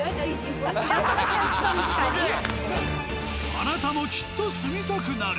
［あなたもきっと住みたくなる］